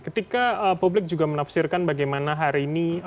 ketika publik juga menafsirkan bagaimana hari ini